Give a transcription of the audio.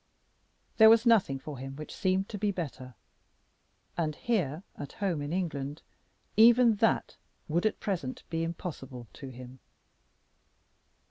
There was nothing for him which seemed to be better. And here at home in England even that would at present be impossible to him.